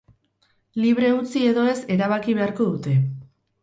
Libre utzi edo ez erabaki beharko dute.